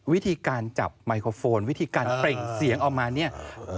วิธีการจับไมโครโฟนวิธีการเปล่งเสียงออกมาเนี่ย